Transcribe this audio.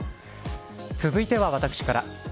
続いては私から。